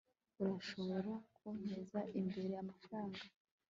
urashobora kunteza imbere amafaranga